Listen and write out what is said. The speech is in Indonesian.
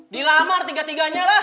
dilamar tiga tiganya lah